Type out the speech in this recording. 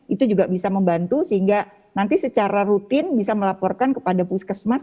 itu juga bisa membantu sehingga nanti secara rutin bisa melaporkan kepada puskesmas